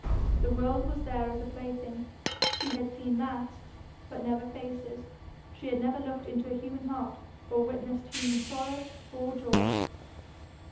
The world was there as a plaything; she had seen masks but never faces, she had never looked into a human heart or witnessed human sorrow or joy.